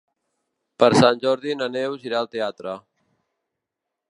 Per Sant Jordi na Neus irà al teatre.